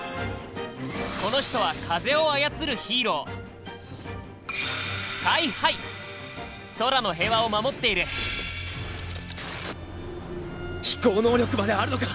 この人は風を操るヒーロー空の平和を守っている飛行能力まであるのか！